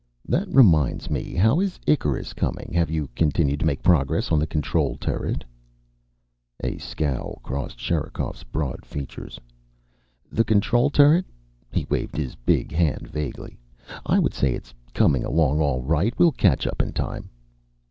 "That reminds me. How is Icarus coming? Have you continued to make progress on the control turret?" A scowl crossed Sherikov's broad features. "The control turret?" He waved his big hand vaguely. "I would say it's coming along all right. We'll catch up in time."